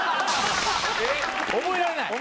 覚えられない？